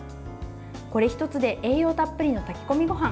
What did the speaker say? これ１つで栄養たっぷりの炊き込みごはん